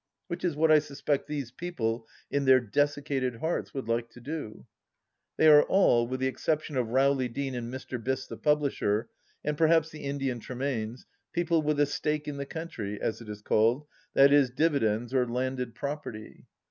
. which is what I suspect these people in their desiccated hearts would like to do ? They are all, with the exception of Rowley Deane and Mr. Biss the publisher, and perhaps the Indian Tremaines, people with a stake in the country, as it is called, i.e. dividends or landed property.